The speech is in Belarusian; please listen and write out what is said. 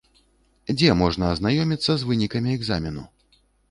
Дзе можна азнаёміцца з вынікамі экзамену?